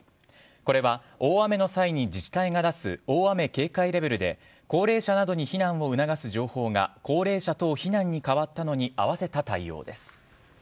これは大雨の際に自治体が出す大雨警戒レベルで高齢者などに避難を促す情報が高齢者等避難に変わったのに合わせた対応です。